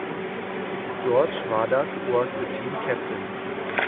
George Vadas was the team captain.